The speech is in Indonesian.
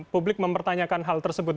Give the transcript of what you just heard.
publik mempertanyakan hal tersebut